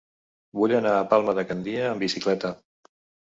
Vull anar a Palma de Gandia amb bicicleta.